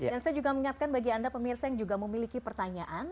saya juga mengingatkan bagi anda pemirsa yang juga memiliki pertanyaan